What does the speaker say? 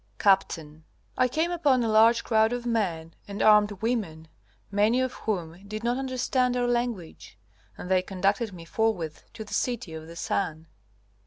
Capt. I came upon a large crowd of men and armed women, many of whom did not understand our language, and they conducted me forthwith to the City of the Sun.